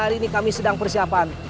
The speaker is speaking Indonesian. hari ini kami sedang persiapan